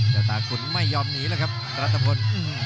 เจ้าตาขุนก็ไม่ยอมหนีเลยครับรัตธพล